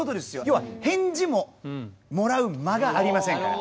要は返事ももらう間がありませんから。